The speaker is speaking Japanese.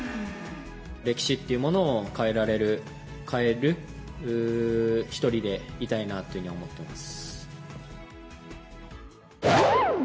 歴史っていうものを変えられる、変える一人でいたいなっていうふうには思ってます。